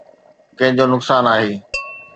ڪنهن جو نقصان آهي؟